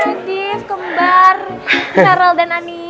hai radief kembar carol dan ani